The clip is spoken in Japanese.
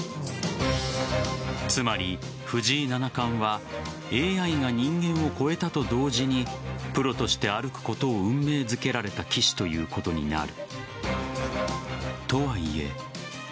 つまり、藤井七冠はＡＩが人間を超えたと同時にプロとして歩くことを運命づけられた棋士ということになる。